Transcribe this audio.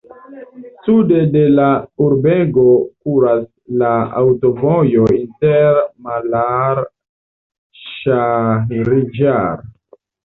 Sude de la urbego kuras la aŭtovojo inter Malard-Ŝahrijar.